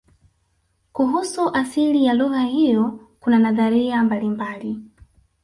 kuhusu asili ya lugha hiyo kuna nadharia mbalimbali